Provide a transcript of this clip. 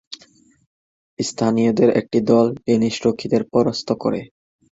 স্থানীয়দের একটি দল ডেনিশ রক্ষীদের পরাস্ত করে।